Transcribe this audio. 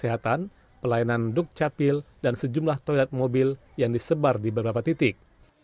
di mana ada perusahaan kesehatan pelayanan duk capil dan sejumlah toilet mobil yang disebar di beberapa titik